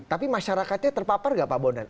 tapi masyarakatnya terpapar nggak pak bondan